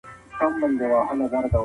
آیا زمانه په ادبي تحقیق کي ډېر اهمیت لري؟